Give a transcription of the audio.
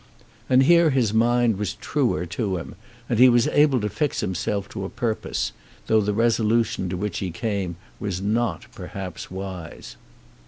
And here his mind was truer to him, and he was able to fix himself to a purpose, though the resolution to which he came was not, perhaps, wise.